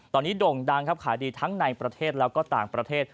ตอนนี้โด่งดังครับขายดีทั้งในประเทศแล้วก็ต่างประเทศ